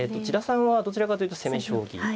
千田さんはどちらかというと攻め将棋。